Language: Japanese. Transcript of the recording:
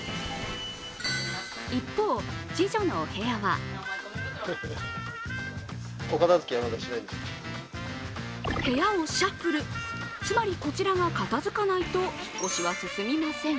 一方、次女のお部屋は部屋をシャッフルつまりこちらを片付けないと引っ越しは進みません。